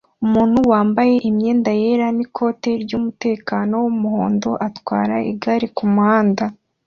Umuntu wambaye imyenda yera n'ikoti ry'umutekano w'umuhondo atwara igare kumuhanda